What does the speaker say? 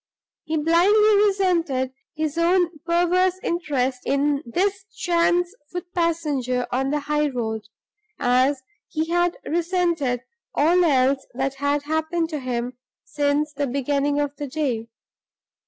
He blindly resented his own perverse interest in this chance foot passenger on the high road, as he had resented all else that had happened to him since the beginning of the day.